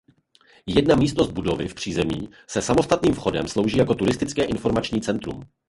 Jedna místnost budovy v přízemí se samostatným vchodem slouží jako turistické informační centrum.